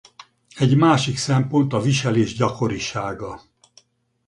Egy másik szempont a viselés gyakorisága.